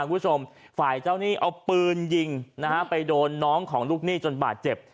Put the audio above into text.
คุณผู้ชมฝ่ายเจ้าหนี้เอาปืนยิงนะฮะไปโดนน้องของลูกหนี้จนบาดเจ็บ